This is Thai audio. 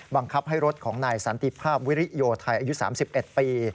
บังคับให้รถของนายสันติภาพวิริโยไทยอายุ๓๑ปี